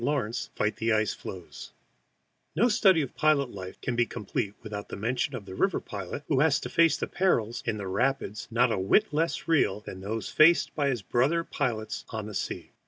LAWRENCE FIGHT THE ICE FLOES NO study of pilot life can be complete without mention of the river pilot who has to face perils in the rapids not a whit less real than those faced by his brother pilot on the sea.